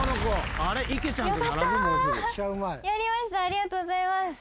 ありがとうございます。